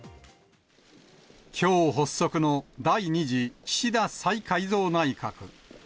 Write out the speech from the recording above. きょう発足の第２次岸田再改造内閣。